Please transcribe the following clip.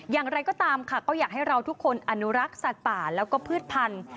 อย่างไรก็ตามค่ะก็อยากให้เราทุกคนอนุรักษ์สัตว์ป่าแล้วก็พืชพันธุ